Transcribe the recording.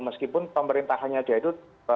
meskipun pemerintahnya aja itu